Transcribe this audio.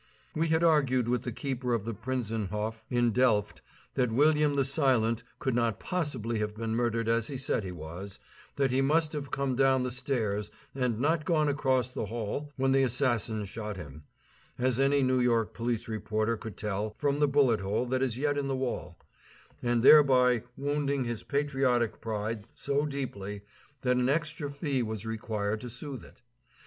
We had argued with the keeper of the Prinzenhof in Delft that William the Silent could not possibly have been murdered as he said he was that he must have come down the stairs and not gone across the hall when the assassin shot him, as any New York police reporter could tell from the bullet hole that is yet in the wall and thereby wounding his patriotic pride so deeply that an extra fee was required to soothe it.